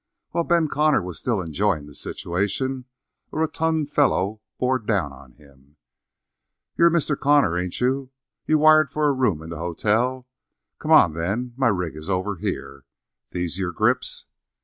While Ben Connor was still enjoying the situation, a rotund fellow bore down on him. "You're Mr. Connor, ain't you? You wired for a room in the hotel? Come on, then. My rig is over here. These your grips?"